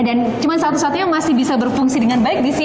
dan cuma satu satunya masih bisa berfungsi dengan baik di sini